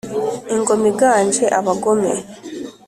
ingoma iganje abagome.